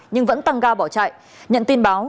nhưng vẫn tăng ga bỏ chạy nhận tin báo